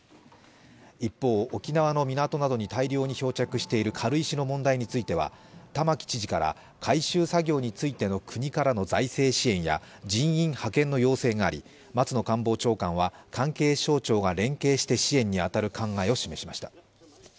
一方、沖縄の港などに大量に漂着している軽石の問題については、玉城知事から回収作業についての国からの財政支援や人員派遣の要請があり、松野官房長官は関係省庁が連携して支援に当たる考えを示しました。